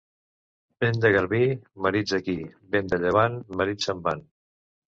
Vent de garbí, marits aquí; vent de llevant, marits se'n van.